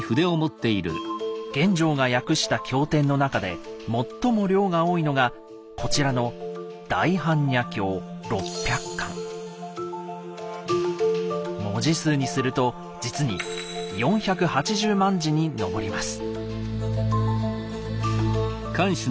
玄奘が訳した経典の中で最も量が多いのがこちらの文字数にすると実に４８０万字に上ります。